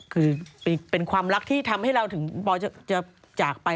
คือเป็นความรักที่ทำให้เราถึงปอจะจากไป